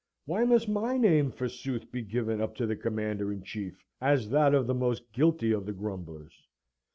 Why must my name forsooth be given up to the Commander in Chief as that of the most guilty of the grumblers?